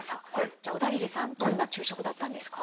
じゃあ小田切さんどんな昼食だったんですか？